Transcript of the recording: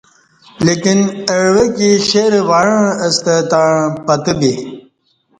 لیکن اہ عویکی شیر ہ وعݩع اہ ستہ تݩع پتہ بے